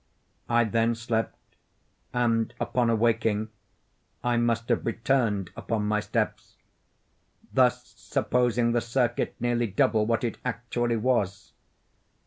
I then slept—and, upon awaking, I must have returned upon my steps—thus supposing the circuit nearly double what it actually was.